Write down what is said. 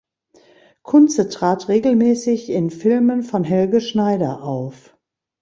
Kunze trat regelmäßig in Filmen von Helge Schneider auf.